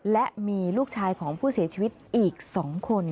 และมีลูกชายของผู้เสียชีวิตอีก๒คน